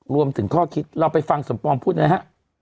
รวมถึงข้อคิดเราไปฟังสมปองพูดหน่อยฮะ